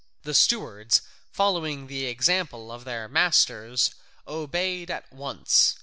The stewards, following the example of their masters, obeyed at once.